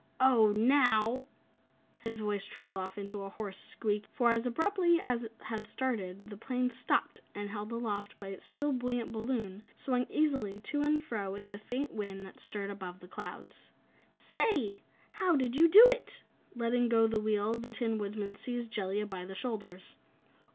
"Oh, now " His voice trailed off into a hoarse squeak, for, as abruptly as it had started, the plane stopped, and, held aloft by its still buoyant balloon, swung easily to and fro in the faint wind that stirred above the clouds. "Say! how did you do it?" Letting go the wheel, the Tin Woodman seized Jellia by the shoulders.